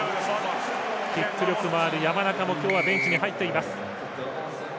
キック力のある山中も今日はベンチに入っています。